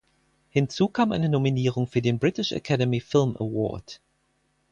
Hinzu kam eine Nominierung für den British Academy Film Award.